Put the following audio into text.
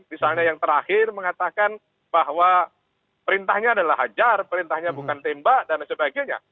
misalnya yang terakhir mengatakan bahwa perintahnya adalah hajar perintahnya bukan tembak dan sebagainya